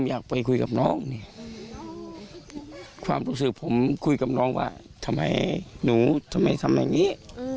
อยากไปคุยกับน้องนี่ความรู้สึกผมคุยกับน้องว่าทำไมหนูทำไมทำอย่างนี้